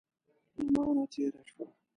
له مانه تېره شوه.